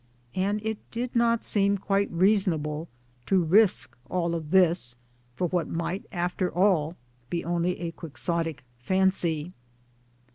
And' it did not seem quite reasonable to risk all this for what might after all be only a Quixotic fancy.